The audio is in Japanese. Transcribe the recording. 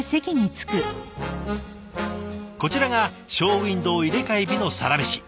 こちらがショーウィンドー入れ替え日のサラメシ。